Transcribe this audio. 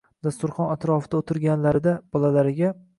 Dasturxon atrofida o`tirganlarida, bolalariga